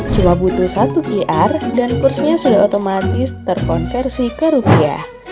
cuma butuh satu qr dan kursinya sudah otomatis terkonversi ke rupiah